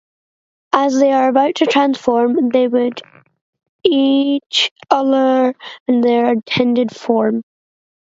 As they are about to transform, they would each announce their intended form.